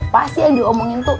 pasti yang diomongin tuh